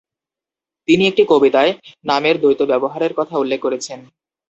তিনি একটি কবিতায় নামের এ দ্বৈত ব্যবহারের কথা উল্লেখ করেছেন: